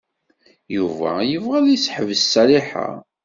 Yuba yebɣa ad iseḥbes Ṣaliḥa.